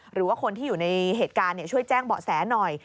หรือว่าคนที่อยู่ในเหตุการณ์ช่วยแจ้งเบาะแสหน่อย